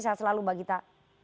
selalu mbak gita